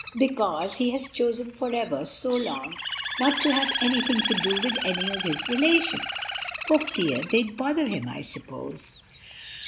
"Because he has chosen forever so long not to have anything to do with any of his relations, for fear they'd bother him, I suppose."